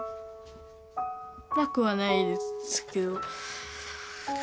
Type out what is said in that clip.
なくはないですけど。